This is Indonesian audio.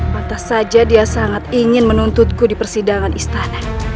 pantas saja dia sangat ingin menuntutku di persidangan istana